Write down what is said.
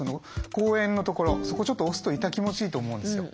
コウエンのところそこちょっと押すと痛気持ちいいと思うんですよ。